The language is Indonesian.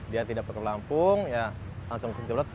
dia tidak perlu lampung ya langsung kecil culet